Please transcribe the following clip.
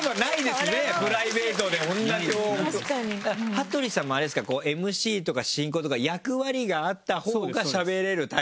羽鳥さんもあれですかＭＣとか進行とか役割があったほうがしゃべれるタイプですか？